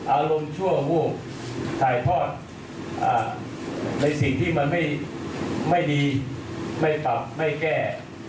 อารมณ์ชั่ววูบถ่ายทอดในสิ่งที่มันไม่ดีไม่ปรับไม่แก้